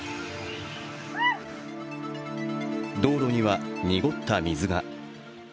道路には濁った水が。